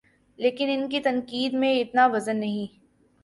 لیکن ان کی تنقید میں اتنا وزن نہیں۔